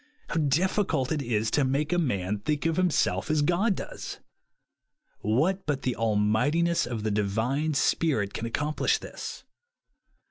How difficult it is to make a man think of himself as God does ! What but the almightiness of the Divine Spirit can ac complish this